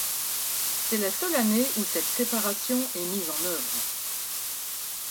C'est la seule année où cette séparation est mise en œuvre.